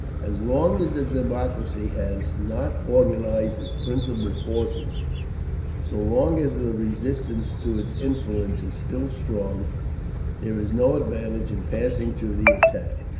As long as the democracy has not organised its principal forces, so long as the resistance to its influence is still strong, there is no advantage in passing to the attack.